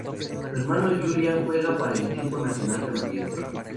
Su hermano Julian juega para el equipo nacional canadiense.